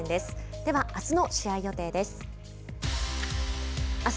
では、あすの試合予定です。